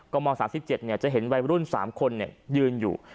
ม๓๗จะเห็นวัยรุ่น๓คนยืนอยู่